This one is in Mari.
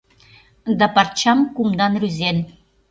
Да парчам кумдан рӱзен